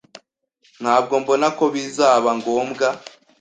Ntabwo mbona ko bizaba ngombwa.